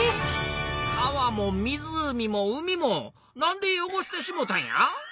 川も湖も海もなんで汚してしもうたんや？